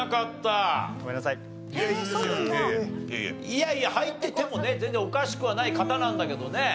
いやいや入っててもね全然おかしくはない方なんだけどね。